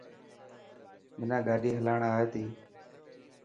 منان گاڏي هلائڻ آي ٿي.